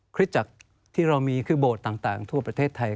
คลิปจากที่เรามีคือโบสถ์ต่างทั่วประเทศไทย